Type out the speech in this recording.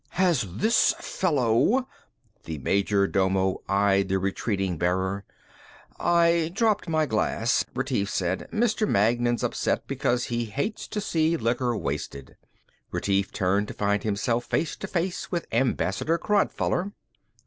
"Has this fellow...." The major domo eyed the retreating bearer. "I dropped my glass," Retief said. "Mr. Magnan's upset because he hates to see liquor wasted." Retief turned to find himself face to face with Ambassador Crodfoller.